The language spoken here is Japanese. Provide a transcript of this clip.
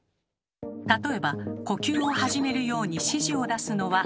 例えば呼吸を始めるように指示を出すのは脳。